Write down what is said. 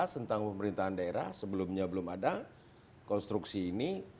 tentang pemerintahan daerah sebelumnya belum ada konstruksi ini